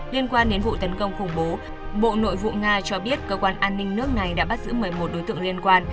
liên quan đến vụ tấn công khủng bố bộ nội vụ nga cho biết cơ quan an ninh nước này đã bắt giữ một mươi một đối tượng liên quan